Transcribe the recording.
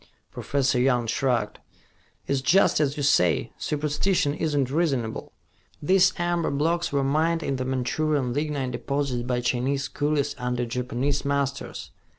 Professor Young shrugged. "It is just as you say. Superstition is not reasonable. These amber blocks were mined in the Manchurian lignite deposits by Chinese coolies under Japanese masters.